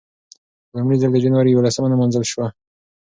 په لومړي ځل د جنورۍ یولسمه نمانځل شوه.